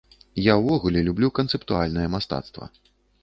Я ўвогуле люблю канцэптуальнае мастацтва.